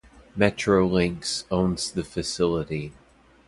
Metrolinx owns the facility.